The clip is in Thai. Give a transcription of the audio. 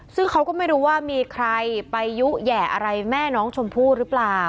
ซึ่งเขาก็ไม่รู้ว่ามีใครไปยุแห่อะไรแม่น้องชมพู่หรือเปล่า